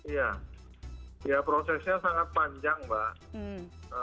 ya prosesnya sangat panjang mbak